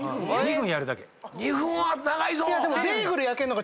２分は長いぞ。